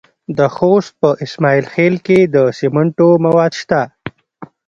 د خوست په اسماعیل خیل کې د سمنټو مواد شته.